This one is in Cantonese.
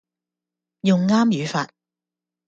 用啱語法